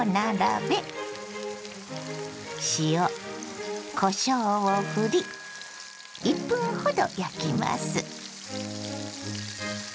塩こしょうをふり１分ほど焼きます。